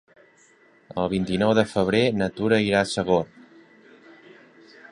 El vint-i-nou de febrer na Tura irà a Sogorb.